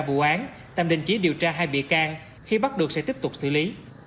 điều tra vụ án tạm đình chỉ điều tra hai bịa can khi bắt được sẽ tiếp tục xử lý